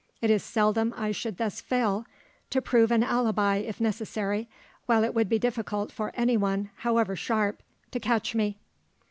It is seldom I should thus fail to prove an alibi if necessary, while it would be difficult for any one, however sharp, to catch me."